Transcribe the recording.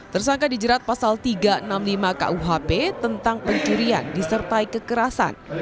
tersangka dijerat pasal tiga ratus enam puluh lima kuhp tentang pencurian disertai kekerasan